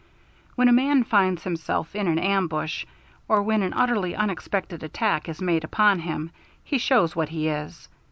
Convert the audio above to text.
When a man finds himself in an ambush, or when an utterly unexpected attack is made upon him, he shows what he is.